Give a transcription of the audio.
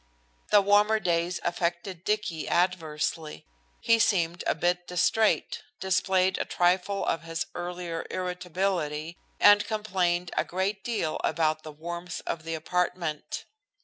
The warmer days affected Dicky adversely. He seemed a bit distrait, displayed a trifle of his earlier irritability, and complained a great deal about the warmth of the apartment.